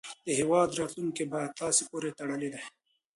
د هیواد راتلونکی په تاسې پورې تړلی دی.